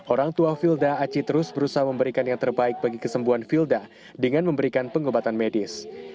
orang tua filda aci terus berusaha memberikan yang terbaik bagi kesembuhan vilda dengan memberikan pengobatan medis